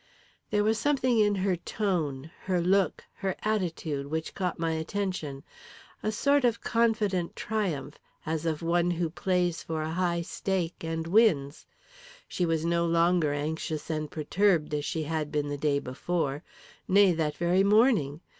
There was something in her tone, her look, her attitude, which caught my attention a sort of confident triumph, as of one who plays for a high stake and wins. She was no longer anxious and perturbed, as she had been the day before nay, that very morning.